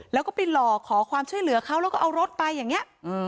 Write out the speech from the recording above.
แล้วก็ไปหลอกขอความช่วยเหลือเขาแล้วก็เอารถไปอย่างนี้